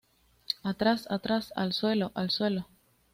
¡ Atrás! ¡ atrás! ¡ al suelo! ¡ al suelo!